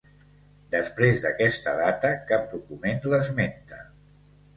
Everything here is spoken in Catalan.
Després d'aquesta data cap document l'esmenta.